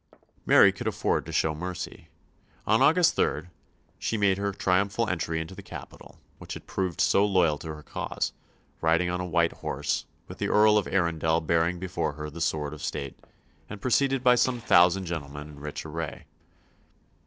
Mary could afford to show mercy. On August 3 she made her triumphal entry into the capital which had proved so loyal to her cause, riding on a white horse, with the Earl of Arundel bearing before her the sword of state, and preceded by some thousand gentlemen in rich array.